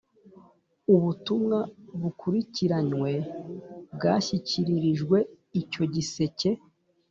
Ubutumwa Bukurikiranywe Bwashyikiririjwe Icyo gisseke